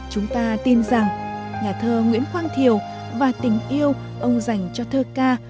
chúng ta tin rằng nhà thơ nguyễn quang thiều và tình yêu ông dành cho thơ ca